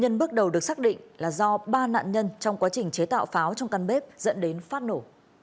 nhân bước đầu được xác định là do ba nạn nhân trong quá trình chế tạo pháo trong căn bếp dẫn đến phát nổ